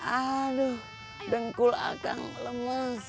aduh dengkul akang lemes